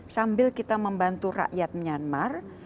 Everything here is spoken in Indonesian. sambil kita membantu rakyat myanmar